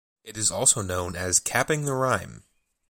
It is also known as capping the rhyme.